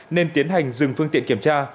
nên tiến hành dừng phương tiện kiểm tra